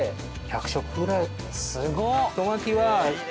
すごっ！